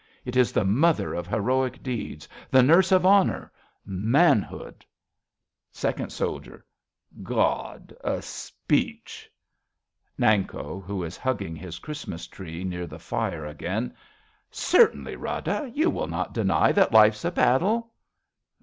It is the mother of heroic deeds, The nurse of honour, manhood. Second Soldier. God, a speech ! Nanko {ivho is hugging his Christmas tree near the fire again.) Certainly, Rada ! You will not deny That life's a battle.